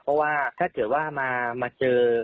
เพราะว่าถ้าเกิดว่ามาเจอ